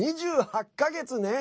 ２８か月ね。